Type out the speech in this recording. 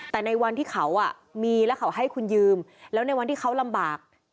แต่ในวันที่เขามีแล้วเขาให้คุณยืมแล้วในวันที่เขาลำบาก